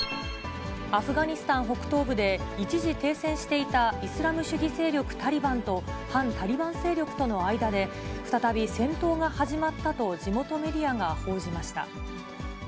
アフガニスタン北東部で、一時停戦していたイスラム主義勢力タリバンと、反タリバン勢力との間で、再び戦闘が始まったと、地元メディアが報じました。